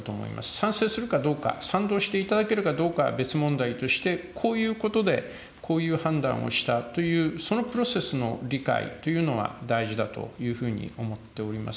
賛成するかどうか、賛同していただけるかどうかは別問題として、こういうことでこういう判断をしたという、そのプロセスの理解というのは大事だというふうに思っております。